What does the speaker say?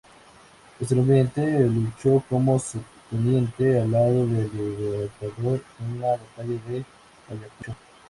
Posteriormente luchó como subteniente al lado del Libertador en la Batalla de Ayacucho.